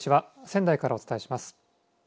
仙台からお伝えします。